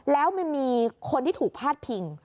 แล้วมันมีคนที่ถูกพาดพิง